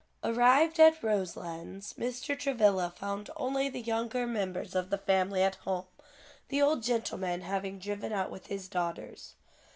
Arrived at Roselands, Mr. Travilla found only the younger members of the family at home, the old gentleman having driven out with his daughters.